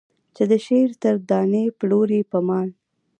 چې د شعر در دانې پلورې په مال.